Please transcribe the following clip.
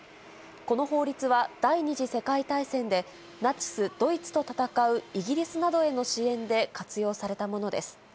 この法律は第２次世界大戦で、ナチス・ドイツと戦うイギリスなどへの支援で活用されたものです。